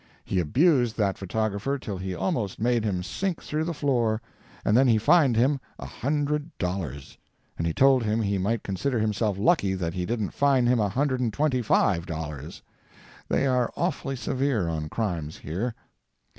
He abused that photographer till he almost made him sink through the floor, and then he fined him a hundred dollars. And he told him he might consider himself lucky that he didn't fine him a hundred and twenty five dollars. They are awfully severe on crime here.